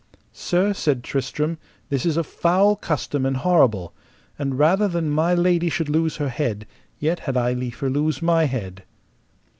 Sir, said Tristram, this is a foul custom and horrible; and rather than my lady should lose her head, yet had I liefer lose my head.